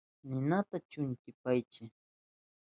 Ninata chuntipaychi.